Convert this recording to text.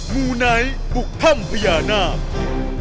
มูนัยบุคธรรมพญานาค